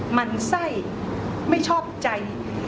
มันไส้ไม่ชอบใจ